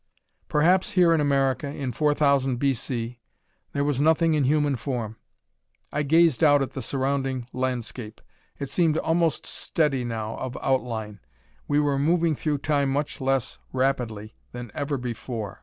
Perhaps, here in America, in 4000 B. C. there was nothing in human form. I gazed out at the surrounding landscape. It seemed almost steady, now, of outline. We were moving through Time much less rapidly than ever before.